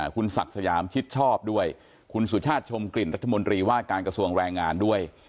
คุณศักดิ์สยามชิดชอบด้วยคุณสุชาติชมกลิ่นรัฐมนตรีว่าการกระทรวงแรงงานด้วย